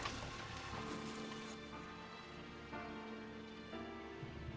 bapak habis ngasih nasihat sama ibu kamu